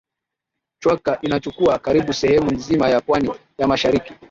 Chwaka inachukua karibu sehemu nzima ya pwani ya mashariki